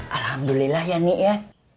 alhamdulillah ya nih ya